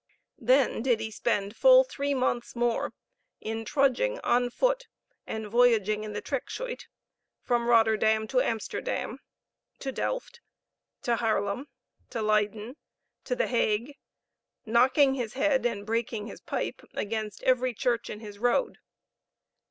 Then did he spend full three months more in trudging on foot, and voyaging in the trekschuit, from Rotterdam to Amsterdam to Delft to Haerlem to Leyden to the Hague, knocking his head and breaking his pipe against every church in his road.